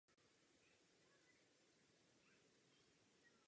Váleční zločinci by neměli ujít trestu.